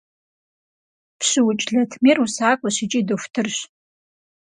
ПщыукӀ Латмир усакӀуэщ икӀи дохутырщ.